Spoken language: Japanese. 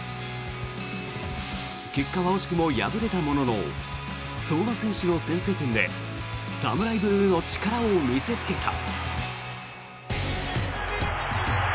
結果は惜しくも敗れたものの相馬選手の先制点でＳＡＭＵＲＡＩＢＬＵＥの力を見せつけた。